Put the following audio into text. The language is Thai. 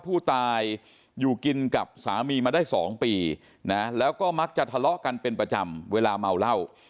ผู้ตายอยู่กินกับสามีมาได้๒ปีนะแล้วก็มักจะทะเลาะกันเป็นประจำเวลาเมาเหล้า